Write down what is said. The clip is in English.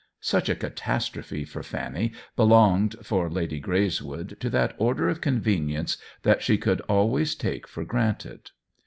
Such a catastrophe for Fanny belonged, for Lady Greyswood, to that order of convenience that she could always take for granted.